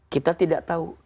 kita tidak tahu